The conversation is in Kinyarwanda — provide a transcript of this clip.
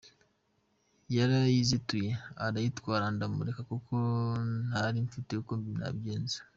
Yarayizituye arayitwara ndamureka kuko ntari mfite uko nabigenza.